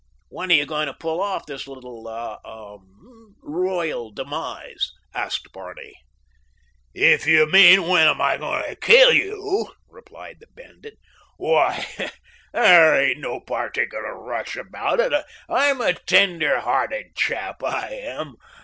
"When are you going to pull off this little—er—ah—royal demise?" asked Barney. "If you mean when am I going to kill you," replied the bandit, "why, there ain't no particular rush about it. I'm a tender hearted chap, I am.